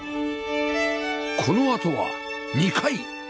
このあとは２階